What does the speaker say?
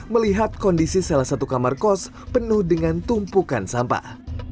melihat kondisi salah satu kamar kos penuh dengan tumpukan sampah